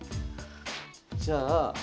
じゃあ。